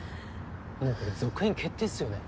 もうこれ続編決定っすよね。